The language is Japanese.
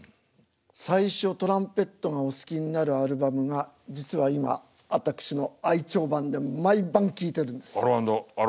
最初トランペットがお好きになるアルバムが実は今私の愛聴盤で毎晩聴いてるんです。